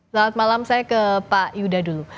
selamat malam saya ke pak yuda dulu